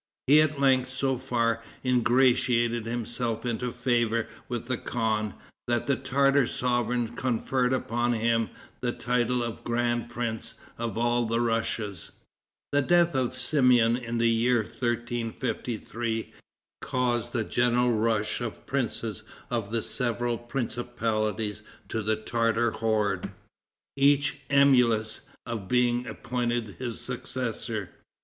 He at length so far ingratiated himself into favor with the khan, that the Tartar sovereign conferred upon him the title of Grand Prince of all the Russias. The death of Simeon in the year 1353, caused a general rush of the princes of the several principalities to the Tartar horde, each emulous of being appointed his successor.